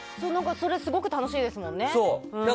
それ、すごく楽しいですもんね。